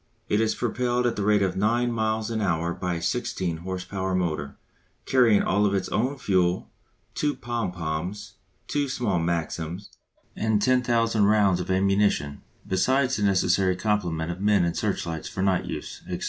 It is propelled at the rate of nine miles an hour by a 16 horse power motor, carrying all its own fuel, two pom poms, two small Maxims, and 10,000 rounds of ammunition, besides the necessary complement of men and searchlights for night use, &c.